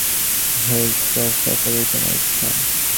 হে ঈশ্বর, সকলই তোমার ইচ্ছা।